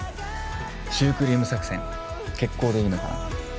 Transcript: シュークリーム作戦決行でいいのかな？